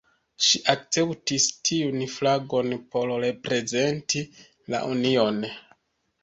Ŝi akceptis tiun flagon por reprezenti la union.